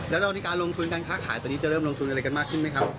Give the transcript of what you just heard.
แล้วเราในการลงทุนการค้าขายตอนนี้จะเริ่มลงทุนอะไรกันมากขึ้นไหมครับ